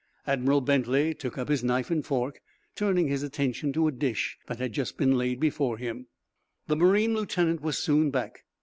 Admiral Bentley took up knife and fork, turning his attention to a dish that had just been laid before him. The marine lieutenant was soon back.